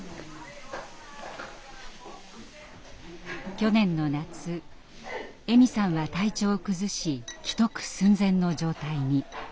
去年の夏エミさんは体調を崩し危篤寸前の状態に。